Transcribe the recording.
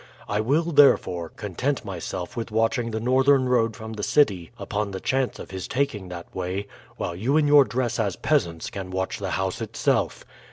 I will, therefore, content myself with watching the northern road from the city upon the chance of his taking that way, while you in your dress as peasants can watch the house itself.